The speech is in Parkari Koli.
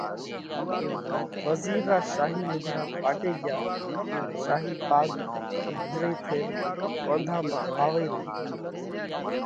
وزِير را شاهِي لُوگھڙا ڦاٽي ڳيا، شاهِي پاڳ ڍِرئِي ٿينَ ڪونڌا مانه آوئِي رئِي۔